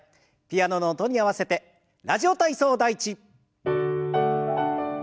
ピアノの音に合わせて「ラジオ体操第１」。